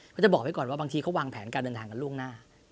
ก็จะบอกไว้ก่อนว่าบางทีเขาวางแผนการเดินทางกันล่วงหน้า